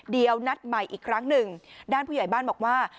เดี๋ยวนัดใหม่อีกครั้งหนึ่งด้านผู้ใหญ่บ้านบอกว่า